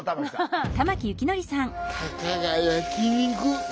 はい！